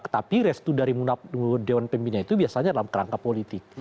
tapi restu dari dewan pembina itu biasanya dalam kerangka politik